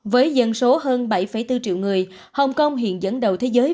với dân số hơn bảy bốn triệu người hồng kông hiện dẫn đầu thế giới